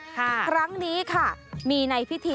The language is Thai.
ครั้งนี้ค่ะมีในพิธี